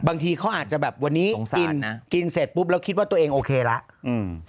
บางทีเขาอาจจะแบบวันนี้กินกินเสร็จปุ๊บแล้วคิดว่าตัวเองโอเคแล้วอืม